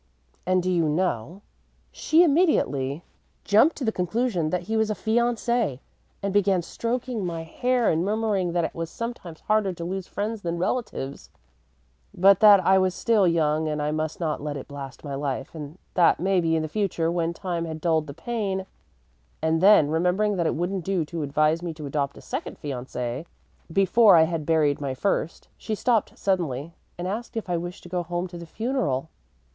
And, do you know, she immediately jumped to the conclusion that he was a fiancé, and began stroking my hair and murmuring that it was sometimes harder to lose friends than relatives, but that I was still young, and I must not let it blast my life, and that maybe in the future when time had dulled the pain and then, remembering that it wouldn't do to advise me to adopt a second fiancé before I had buried my first, she stopped suddenly and asked if I wished to go home to the funeral.